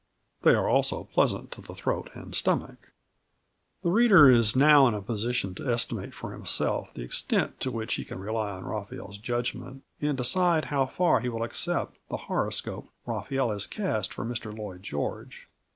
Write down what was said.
They are also pleasant to the throat and stomach!" The reader is now in a position to estimate for himself the extent to which he can rely on Raphael's judgment, and to decide how far he will accept the horoscope Raphael has cast for Mr Lloyd George.